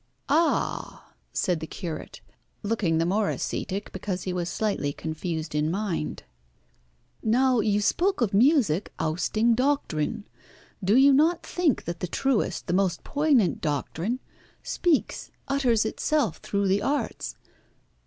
"Ah!" said the curate, looking the more ascetic because he was slightly confused in mind. "Now you spoke of music ousting doctrine. Do you not think that the truest, the most poignant doctrine, speaks, utters itself through the arts.